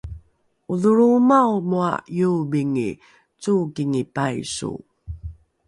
odholroomao moa iobingi cookingi paiso